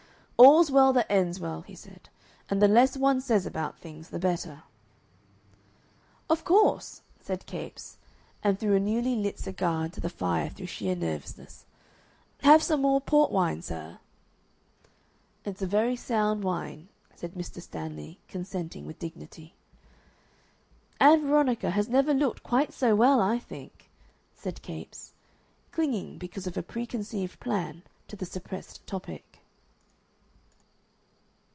"All's well that ends well," he said; "and the less one says about things the better." "Of course," said Capes, and threw a newly lit cigar into the fire through sheer nervousness. "Have some more port wine, sir?" "It's a very sound wine," said Mr. Stanley, consenting with dignity. "Ann Veronica has never looked quite so well, I think," said Capes, clinging, because of a preconceived plan, to the suppressed topic.